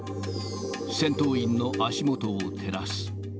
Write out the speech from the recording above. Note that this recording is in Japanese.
戦闘員の足元を照らす。